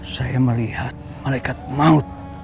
saya melihat malekat maut